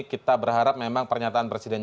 kita berharap memang pernyataan presiden